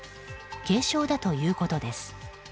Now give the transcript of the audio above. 軽傷だということです。